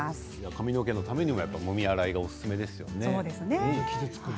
髪の毛のためにももみ洗いがおすすめなんですね。